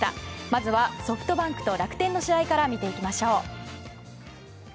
まずはソフトバンクと楽天の試合から見ていきましょう。